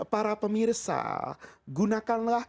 para pemirsa gunakanlah